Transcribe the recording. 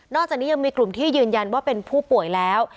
จากนี้ยังมีกลุ่มที่ยืนยันว่าเป็นผู้ป่วยแล้ว